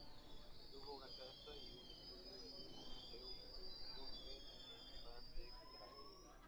Tuvo una casa y un estudio en Montreuil-sur-Mer, en Pas-de-Calais.